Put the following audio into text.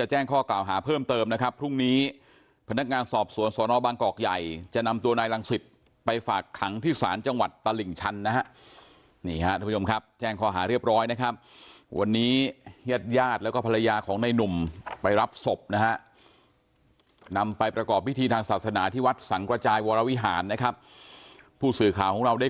จะแจ้งข้อกล่าวหาเพิ่มเติมนะครับพรุ่งนี้พนักงานสอบสวนสอนอบางกอกใหญ่จะนำตัวนายรังสิตไปฝากขังที่ศาลจังหวัดตลิ่งชันนะฮะนี่ฮะท่านผู้ชมครับแจ้งข้อหาเรียบร้อยนะครับวันนี้ญาติญาติแล้วก็ภรรยาของนายหนุ่มไปรับศพนะฮะนำไปประกอบพิธีทางศาสนาที่วัดสังกระจายวรวิหารนะครับผู้สื่อข่าวของเราได้ค